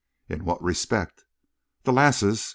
"In what respect?" "The lasses!"